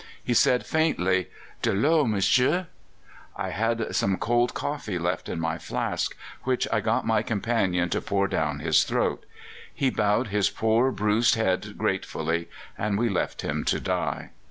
He said faintly: 'De l'eau, monsieur?' "I had some cold coffee left in my flask, which I got my companion to pour down his throat. He bowed his poor bruised head gratefully, and we left him to die.